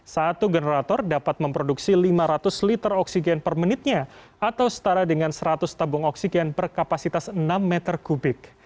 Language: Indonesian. satu generator dapat memproduksi lima ratus liter oksigen per menitnya atau setara dengan seratus tabung oksigen per kapasitas enam meter kubik